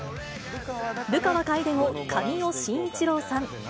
流川楓を神尾晋一郎さん。